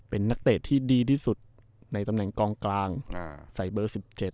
เป็นนักเตะที่ดีที่สุดในตำแหน่งกองกลางอ่าใส่เบอร์๑๗